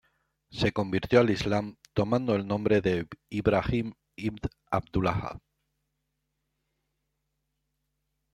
Se convirtió al islam, tomando el nombre de "Ibrahim ibn Abdullah".